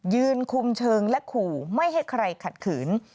ยืนคุมเชิงและขู่ไม่ให้ใครขัดขืน